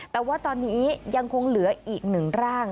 แต่ว่าตอนนี้ยังคงเหลืออีก๑ร่าง